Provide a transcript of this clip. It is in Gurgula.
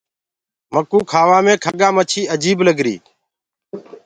مڪوُ کآوآ مي کڳآ مڇي اجيب لگري۔